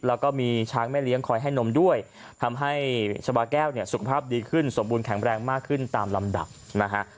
แล้วก็มีช้างแม่เลี้ยงคอยให้นมด้วยทำให้ชาวาแก้วเนี่ยสุขภาพดีขึ้นสมบูรณแข็งแรงมากขึ้นตามลำดับนะฮะ